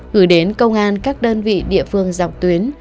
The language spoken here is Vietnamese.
gửi đến công an các đơn vị địa phương dọc tuyến